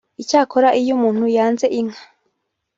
Icyakora iyo umuntu yanze inka